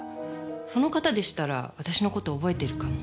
その方でしたら私の事覚えているかも。